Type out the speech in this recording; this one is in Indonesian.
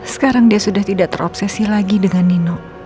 sekarang dia sudah tidak terobsesi lagi dengan nino